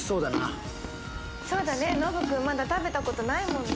そうだねノブ君まだ食べたことないもんね。